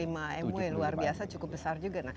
tujuh puluh lima mw luar biasa cukup besar juga